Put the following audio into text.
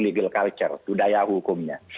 legal culture itu daya hukumnya